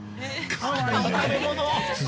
◆かわいい食べ物！